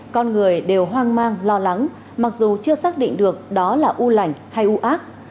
con người đều hoang mang lo lắng mặc dù chưa xác định được đó là u lành hay u ác